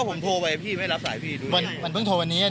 ก็ผมโทรไปพี่ไม่รับสายพี่มันเพิ่งโทรวันนี้อ่ะเนี้ย